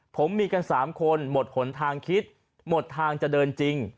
ผมมีกัน๓คนหมดหนทางคิดหมดทางจะเดินจริง